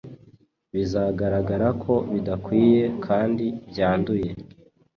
bizagaragara ko bidakwiye kandi byanduye.